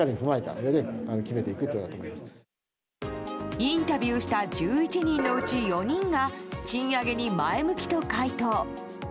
インタビューした１１人のうち４人が賃上げに前向きと回答。